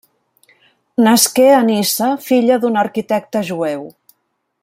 Nasqué a Niça, filla d'un arquitecte jueu.